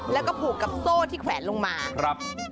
แล้วก็ผูกกับโซ่ที่แขวนลงมาครับ